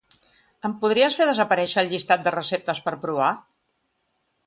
Em podries fer desaparèixer el llistat de receptes per provar?